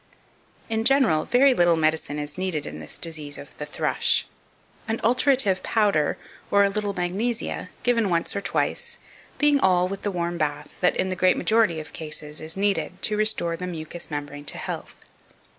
2534. In general, very little medicine is needed in this disease of the thrush an alterative powder, or a little magnesia, given once or twice, being all, with the warm bath, that, in the great majority of cases, is needed to restore the mucous membrane to health.